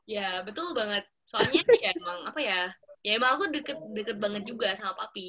ya betul banget soalnya ya emang apa ya emang aku deket banget juga sama papa